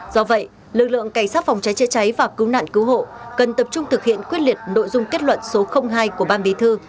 do vậy lực lượng cảnh sát phòng cháy chữa cháy và cứu nạn cứu hộ cần tập trung thực hiện quyết liệt nội dung kết luận số hai của ban bí thư